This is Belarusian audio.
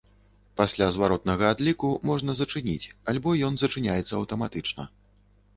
Пасля зваротнага адліку можна зачыніць альбо ён зачыняецца аўтаматычна.